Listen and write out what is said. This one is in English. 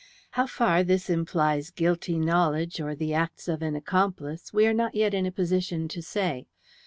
How far this implies guilty knowledge, or the acts of an accomplice, we are not yet in a position to say.